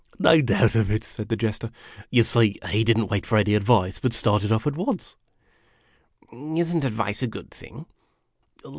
" No doubt of it," said the Jester. " You see^ he did n't wait for any advice, but started oft at once." " Is n't advice a good thing?